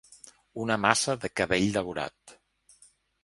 Una massa de cabell daurat.